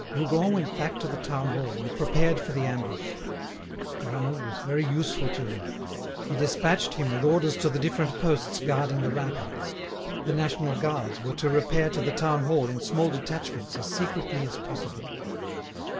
Rougon went back to the town hall, and prepared for the ambush. Granoux was very useful to him. He despatched him with orders to the different posts guarding the ramparts. The national guards were to repair to the town hall in small detachments, as secretly as possible.